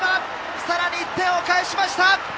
さらに１点を返しました！